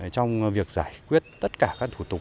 trong việc giải quyết tất cả các thủ tục